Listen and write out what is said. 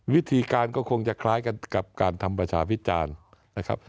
วิธีการก็คงจะคล้ายกันกับการทำประชาพิจารณ์นะครับ